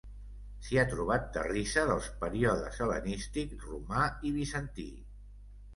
S'hi ha trobat terrissa dels períodes hel·lenístic, romà i bizantí.